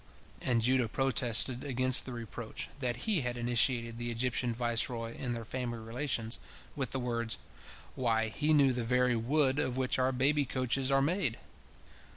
And Judah protested against the reproach, that he had initiated the Egyptian viceroy in their family relations, with the words: "Why, he knew the very wood of which our baby coaches are made!